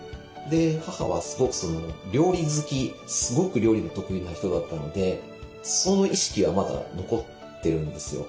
母はすごく料理好きすごく料理の得意な人だったのでその意識はまだ残ってるんですよ。